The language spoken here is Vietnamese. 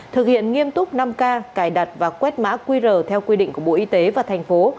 thực hiện nghiêm túc năm k cài đặt và quét mã qr theo quy định của bộ y tế và thành phố